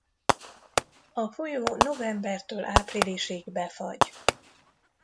A folyó novembertől áprilisig befagy.